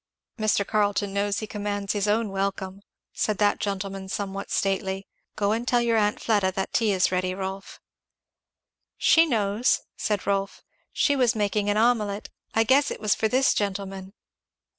"Mr. Carleton knows he commands his own welcome," said that gentleman somewhat stately. "Go and tell your aunt Fleda that tea is ready, Rolf." "She knows," said Rolf. "She was making an omelette I guess it was for this gentleman!"